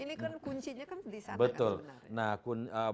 ini kan kuncinya kan disana